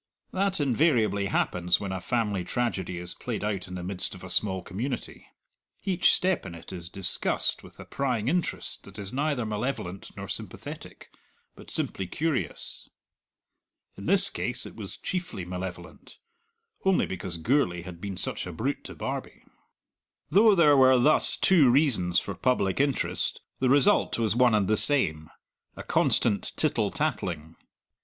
That invariably happens when a family tragedy is played out in the midst of a small community. Each step in it is discussed with a prying interest that is neither malevolent nor sympathetic, but simply curious. In this case it was chiefly malevolent only because Gourlay had been such a brute to Barbie. Though there were thus two reasons for public interest, the result was one and the same a constant tittle tattling.